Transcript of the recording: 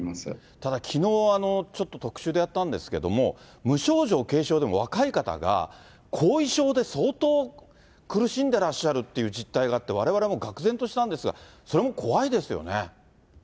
ただ、きのう、ちょっと特集でやったんですけども、無症状、軽症でも若い方が後遺症で相当苦しんでらっしゃるっていう実態があって、われわれはもうがく然としたんですが、それも怖いですよね。